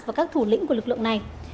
và các thủ lĩnh của lực lượng này